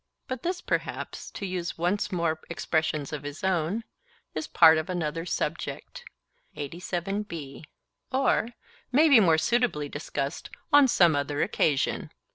But this perhaps, to use once more expressions of his own, 'is part of another subject' or 'may be more suitably discussed on some other occasion.